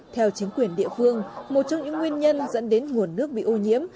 theo chính quyền địa phương một trong những nguyên nhân dẫn đến nguồn nước bị ô nhiễm